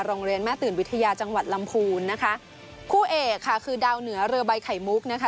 โรงเรียนแม่ตื่นวิทยาจังหวัดลำพูนนะคะคู่เอกค่ะคือดาวเหนือเรือใบไข่มุกนะคะ